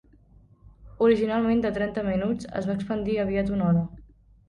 Originalment de trenta minuts, es va expandir aviat a una hora.